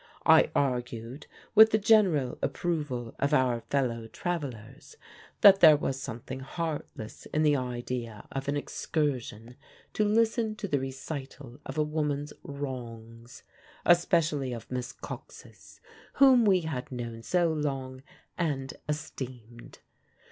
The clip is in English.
I argued (with the general approval of our fellow travellers) that there was something heartless in the idea of an excursion to listen to the recital of a woman's wrongs, especially of Miss Cox's, whom we had known so long and esteemed.